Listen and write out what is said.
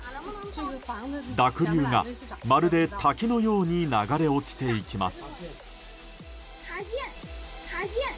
濁流が、まるで滝のように流れ落ちていきます。